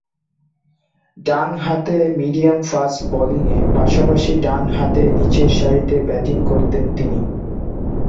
ডানহাতে মিডিয়াম-ফাস্ট বোলিংয়ের পাশাপাশি ডানহাতে নিচেরসারিতে ব্যাটিং করতেন তিনি।